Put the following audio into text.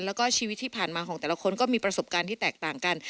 แล้วก็ชีวิตที่ผ่านมาของแต่ละคนก็มีประสบการณ์ที่แตกต่างกัน